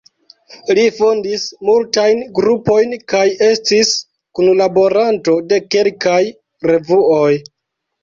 Li fondis multajn grupojn kaj estis kunlaboranto de kelkaj revuoj.